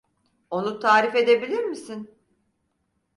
Onu tarif edebilir misin?